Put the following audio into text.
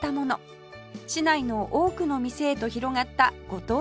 市内の多くの店へと広がったご当地グルメです